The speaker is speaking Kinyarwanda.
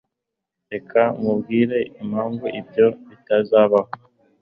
Reka nkubwire impamvu ibyo bitazabaho